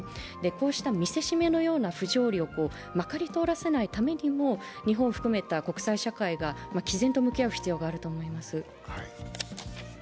こうした見せしめのような不条理をまかり通らせないためにも日本を含めた国際社会がきぜんと向き合う必要があると思います。